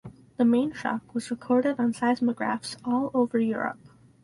The mainshock was recorded on seismographs all over Europe.